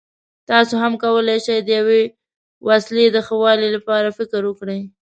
تاسو هم کولای شئ د یوې وسیلې د ښه والي لپاره فکر وکړئ.